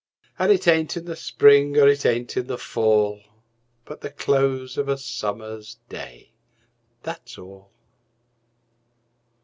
An' it ain't in the spring er it ain't in the fall, But the close of a summer's day, That's all.